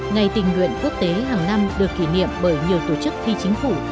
ngày tình nguyện quốc tế hàng năm được kỷ niệm bởi nhiều tổ chức phi chính phủ